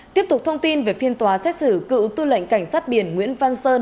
tiếp tục thông tin về phiên tòa xét xử cựu tư lệnh cảnh sát biển nguyễn văn sơn